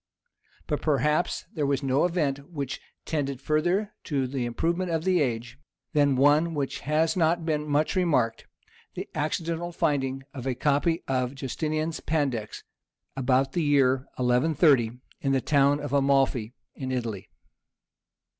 But perhaps there was no event which tended further to the improvement of the age, than one which has not been much remarked, the accidental finding of a copy of Justinian's Pandects, about the year 1130, in the town of Amalfi, in Italy.